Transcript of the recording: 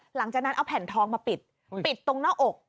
หลังจากนั้นเอาแผ่นทองมาปิดปิดตรงหน้าอก